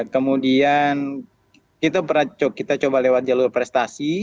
kemudian kita coba lewat jalur prestasi